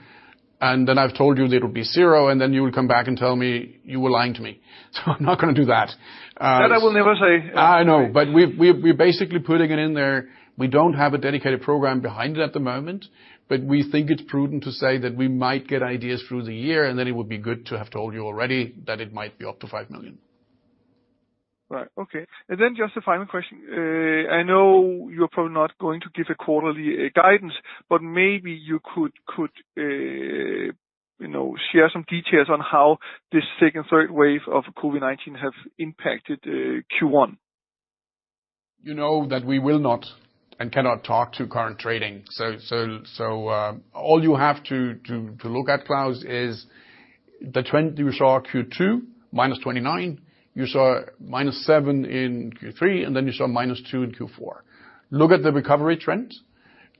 I've told you it'll be zero, and then you will come back and tell me you were lying to me. I'm not going to do that. That I will never say. I know, but we've. We're basically putting it in there. We don't have a dedicated program behind it at the moment, but we think it's prudent to say that we might get ideas through the year, and then it would be good to have told you already that it might be up to 5 million. Right. Okay. Just a final question. I know you're probably not going to give a quarterly, guidance, but maybe you could, you know, share some details on how this second third wave of COVID-19 have impacted Q1. You know that we will not and cannot talk to current trading. All you have to look at Claus is the trend you saw Q2, -29%. You saw -7% in Q3, and then you saw -2% in Q4. Look at the recovery trends.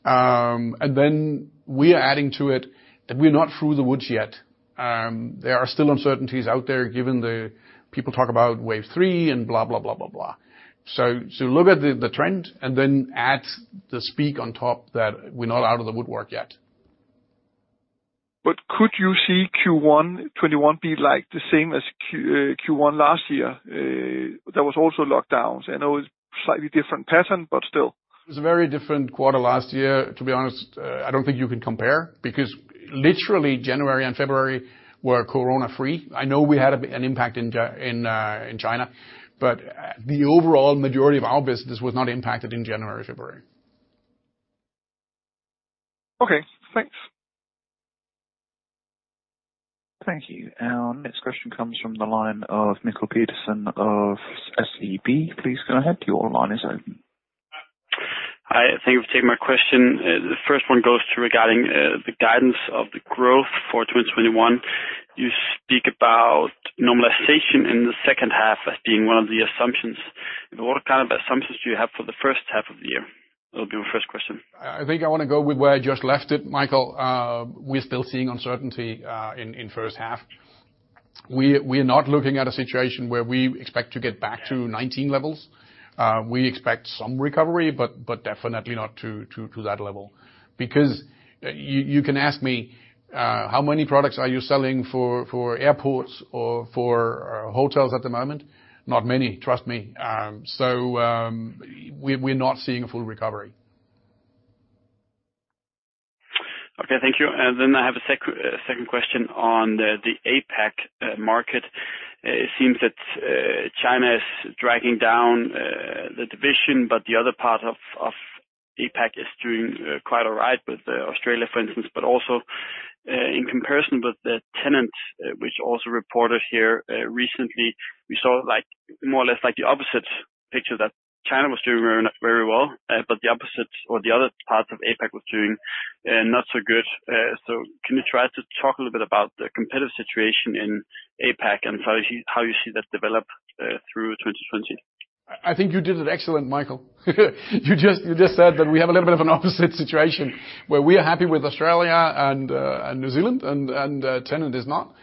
We are adding to it that we're not through the woods yet. There are still uncertainties out there given the... People talk about wave three and blah, blah, blah. Look at the trend and then add the speak on top that we're not out of the woodwork yet. Could you see Q1 2021 be like the same as Q1 last year? There was also lockdowns, and it was slightly different pattern, but still. It was a very different quarter last year, to be honest. I don't think you can compare because literally January and February were corona free. I know we had impact in China, but the overall majority of our business was not impacted in January, February. Okay, thanks. Thank you. Our next question comes from the line of Mikael Petersen of SEB. Please go ahead. Your line is open. Hi. Thank you for taking my question. The first one goes to regarding the guidance of the growth for 2021. You speak about normalization in the second half as being one of the assumptions. What kind of assumptions do you have for the first half of the year? That'll be my first question. I think I wanna go with where I just left it, Mikael. We're still seeing uncertainty in first half. We're not looking at a situation where we expect to get back to 2019 levels. We expect some recovery, but definitely not to that level. Because you can ask me, how many products are you selling for airports or for hotels at the moment? Not many, trust me. We're not seeing a full recovery. Okay, thank you. I have a second question on the APAC market. It seems that China is dragging down the division, but the other part of APAC is doing quite all right with Australia, for instance, but also in comparison with the Tennant, which also reported here recently, we saw like more or less like the opposite picture that China was doing very, very well, but the opposite or the other parts of APAC was doing not so good. Can you try to talk a little bit about the competitive situation in APAC and how you see, how you see that develop through 2020? I think you did it excellent, Mikael. You just said that we have a little bit of an opposite situation where we are happy with Australia and New Zealand and Tennant is not.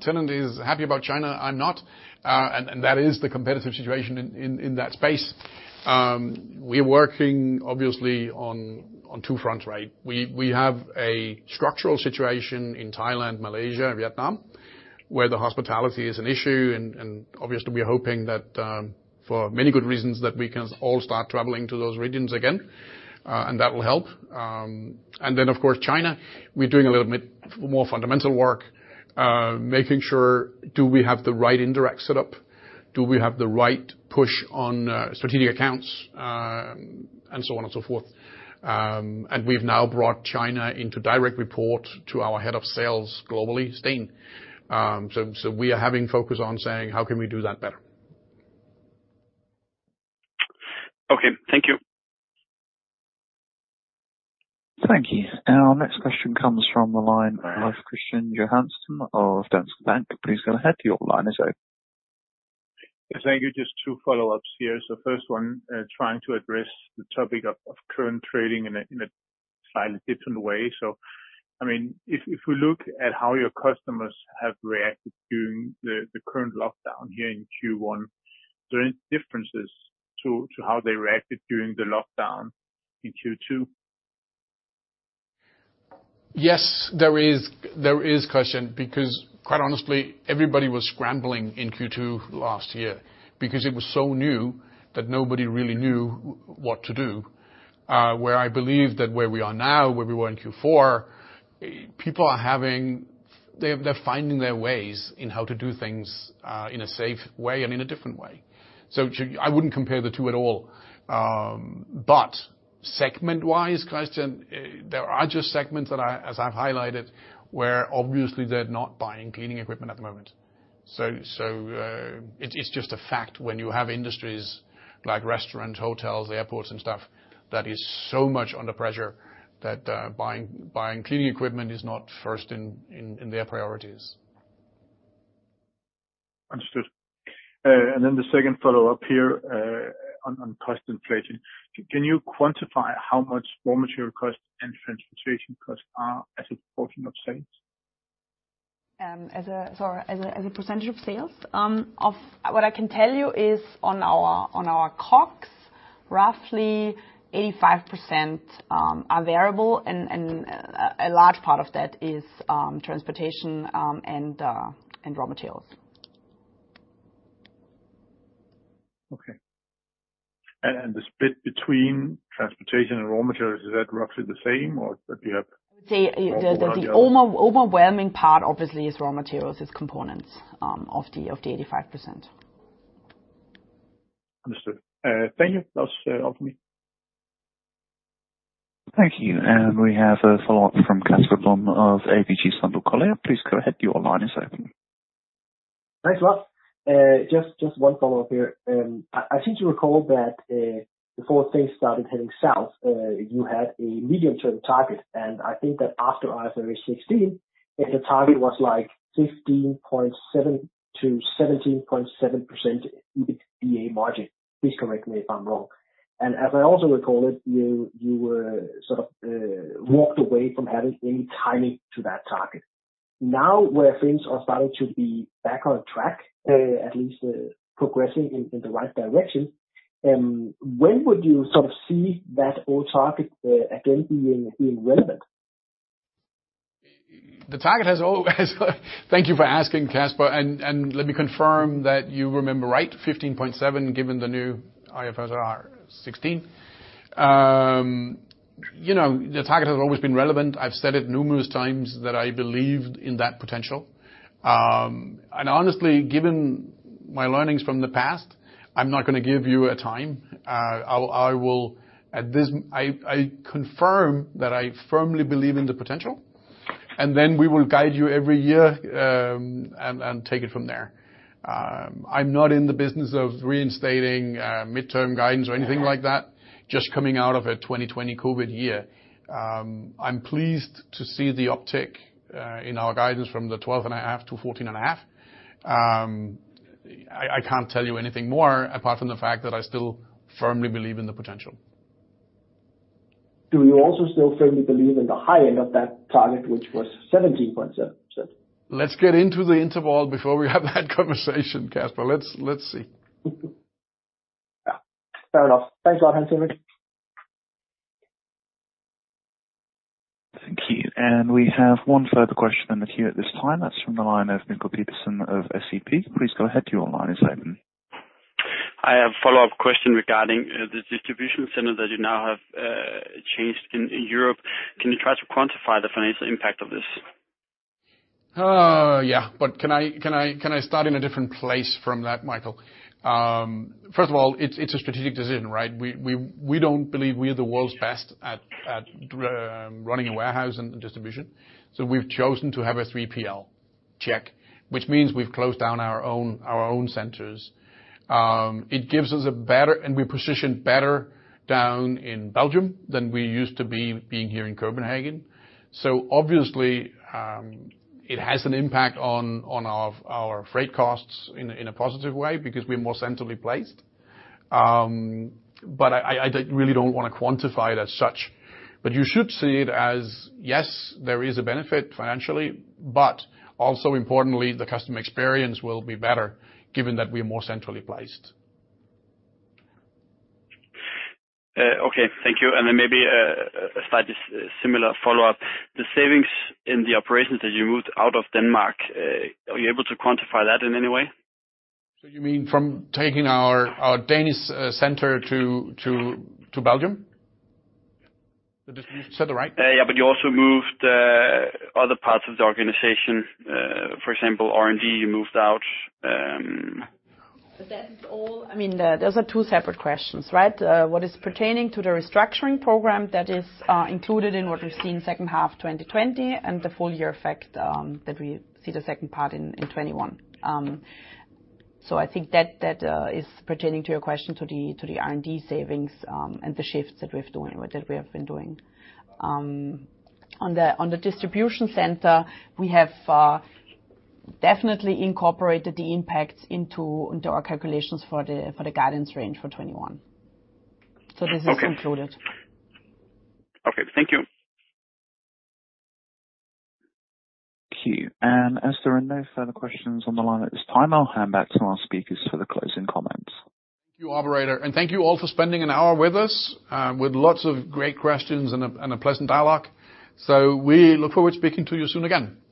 Tennant is happy about China, I'm not. That is the competitive situation in that space. We're working obviously on two fronts, right? We have a structural situation in Thailand, Malaysia, and Vietnam. Where the hospitality is an issue, and obviously we are hoping that for many good reasons that we can all start traveling to those regions again, and that will help. Then, of course, China, we're doing a little bit more fundamental work, making sure do we have the right indirect setup? Do we have the right push on strategic accounts? So on and so forth. We've now brought China into direct report to our head of sales globally, Steen. We are having focus on saying, How can we do that better? Okay, thank you. Thank you. Our next question comes from the line of Kristian Johansen of Danske Bank. Please go ahead, your line is open. Yes, thank you. Just two follow-ups here. First one, trying to address the topic of current trading in a slightly different way. I mean, if we look at how your customers have reacted during the current lockdown here in Q1, are there any differences to how they reacted during the lockdown in Q2? Yes, there is. There is, Kristian. Quite honestly, everybody was scrambling in Q2 last year because it was so new that nobody really knew what to do. Where I believe that where we are now, where we were in Q4, they're finding their ways in how to do things in a safe way and in a different way. I wouldn't compare the two at all. Segment-wise, Kristian, there are just segments that I, as I've highlighted, where obviously they're not buying cleaning equipment at the moment. It's just a fact when you have industries like restaurant, hotels, airports and stuff that is so much under pressure that buying cleaning equipment is not first in their priorities. Understood. Then the second follow-up here, on cost inflation. Can you quantify how much raw material costs and transportation costs are as a portion of sales? Sorry, as a percentage of sales? What I can tell you is on our COGS, roughly 85% are variable and a large part of that is transportation and raw materials. Okay. The split between transportation and raw materials, is that roughly the same or that you have- I would say the overwhelming part obviously is raw materials. It's components of the 85%. Understood. Thank you. That's all from me. Thank you. We have a follow-up from Casper Blom of ABG Sundal Collier. Please go ahead, your line is open. Thanks, Lars. just one follow-up here. I seem to recall that before things started heading south, you had a medium-term target, I think that after IFRS 16, if the target was, like, 15.7%-17.7% in the EBITA margin. Please correct me if I'm wrong. As I also recall it, you were sort of walked away from having any timing to that target. Now, where things are starting to be back on track, at least we're progressing in the right direction, when would you sort of see that old target again being relevant? Thank you for asking, Casper. Let me confirm that you remember right, 15.7, given the new IFRS 16. You know, the target has always been relevant. I've said it numerous times that I believed in that potential. Honestly, given my learnings from the past, I'm not gonna give you a time. I confirm that I firmly believe in the potential, then we will guide you every year, and take it from there. I'm not in the business of reinstating midterm guidance or anything like that, just coming out of a 2020 COVID year. I'm pleased to see the uptick in our guidance from the 12.5% to 14.5%. I can't tell you anything more apart from the fact that I still firmly believe in the potential. Do you also still firmly believe in the high end of that target, which was 17.7%? Let's get into the interval before we have that conversation, Casper. Let's see. Yeah. Fair enough. Thanks a lot. Thanks very much. Thank you. We have one further question in the queue at this time. That's from the line of Mikael Petersen of SEB. Please go ahead, your line is open. I have a follow-up question regarding the distribution center that you now have changed in Europe. Can you try to quantify the financial impact of this? Yeah. Can I start in a different place from that, Mikael? First of all, it's a strategic decision, right? We don't believe we are the world's best at running a warehouse and distribution, we've chosen to have a 3PL check, which means we've closed down our own centers. It gives us a better, we're positioned better down in Belgium than we used to be, being here in Copenhagen. Obviously, it has an impact on our freight costs in a positive way because we're more centrally placed. I really don't wanna quantify it as such. You should see it as, yes, there is a benefit financially, but also importantly, the customer experience will be better given that we're more centrally placed. Okay. Thank you. Maybe a slightly similar follow-up. The savings in the operations that you moved out of Denmark, are you able to quantify that in any way? You mean from taking our Danish center to Belgium? Did I hear you say that right? Yeah. you also moved, other parts of the organization, for example, R&D you moved out. That is all... I mean, those are two separate questions, right? What is pertaining to the restructuring program, that is included in what we've seen second half 2020 and the full year effect that we see the second part in 2021. I think that is pertaining to your question to the R&D savings and the shifts that we've doing or that we have been doing. On the distribution center, we have definitely incorporated the impacts into our calculations for the guidance range for 2021. This is included. Okay. Thank you. Thank you. As there are no further questions on the line at this time, I'll hand back to our speakers for the closing comments. Thank you, operator. Thank you all for spending an hour with us, with lots of great questions and a pleasant dialogue. We look forward to speaking to you soon again. Thank you.